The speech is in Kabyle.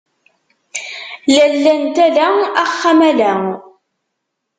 Lalla n tala axxam ala.